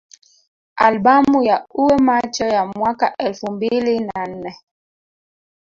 Albamu ya Uwe Macho ya mwaka elfu mbili na nne